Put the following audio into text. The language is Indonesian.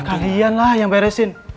ya kalian lah yang beresin